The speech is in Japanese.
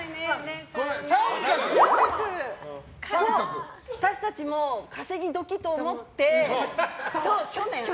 そう、私たちも稼ぎ時と思って去年？